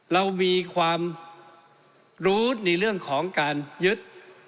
เรามีความรู้ในเรื่องของการยึด